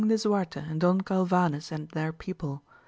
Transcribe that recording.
Lisuarte and Don Galyanes and their people.